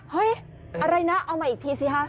เฮ้ยอะไรนะเอามาอีกทีสิฮะ